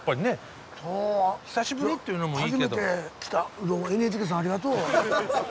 どうもＮＨＫさんありがとう。